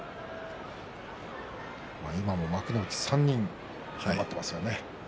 今も幕内３人頑張っていますよね。